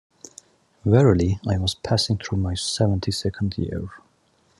Verily I was passing through my seventy-second year.